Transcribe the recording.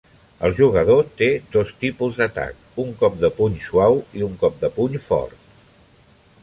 El jugador té dos tipus d'atac: un cop de puny suau i un cop de puny fort.